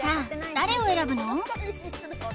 誰を選ぶの？